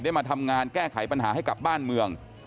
มาทำงานแก้ไขปัญหาให้กับบ้านเมือง